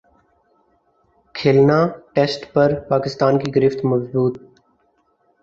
کھلنا test پر پاکستان کی گرفت مضبوط